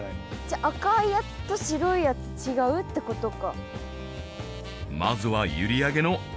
赤いやつと白いやつ違うってことか。